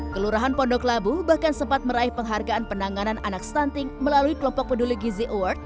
kelurahan pondok labu bahkan sempat meraih penghargaan penanganan anak stunting melalui kelompok peduli gizi award